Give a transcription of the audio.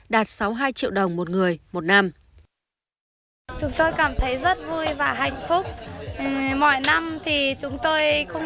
đạt sáu mươi hai triệu đồng một người một năm